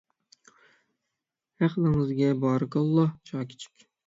ھەقلىڭىزگە بارىكاللاھ شاكىچىك.